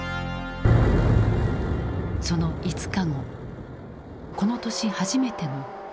その５日後この年初めての雪が降った。